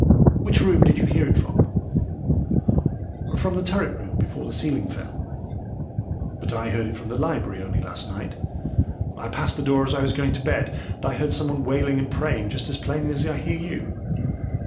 "Which room did you hear it from?" "From the turret room, before the ceiling fell." "But I heard it from the library only last night. I passed the doors as I was going to bed, and I heard something wailing and praying just as plainly as I hear you.